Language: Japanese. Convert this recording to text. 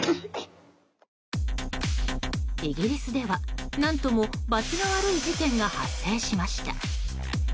イギリスでは、何ともばつが悪い事件が発生しました。